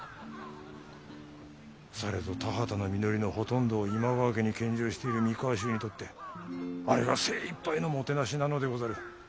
されど田畑の実りのほとんどを今川家に献上している三河衆にとってあれが精いっぱいのもてなしなのでござる。